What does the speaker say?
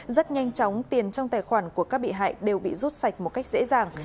rất nhanh chóng tiền trong tài khoản của các bị hại đều bị rút sạch một cách dễ dàng